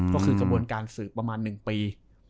ก็คือกระบวนการสืบประมาณ๑ปี